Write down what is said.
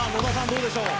どうでしょう？